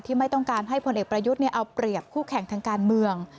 ไม่ต้องการให้พลเอกประยุทธ์เอาเปรียบคู่แข่งทางการเมือง